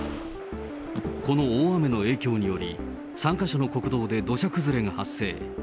この大雨の影響により、３か所の国道で土砂崩れが発生。